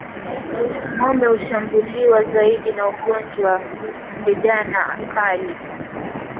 Ngombe hushambuliwa zaidi na ugonjwa wa ndigana kali